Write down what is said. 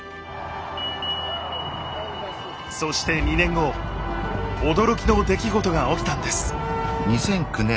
そして２年後驚きの出来事が起きたんです。